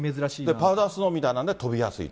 パウダースノーみたいなのは飛びやすいと。